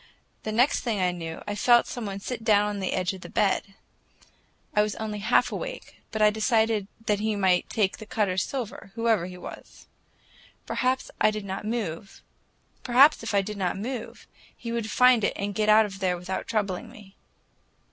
The next thing I knew, I felt some one sit down on the edge of the bed. I was only half awake, but I decided that he might take the Cutters' silver, whoever he was. Perhaps if I did not move, he would find it and get out without troubling me.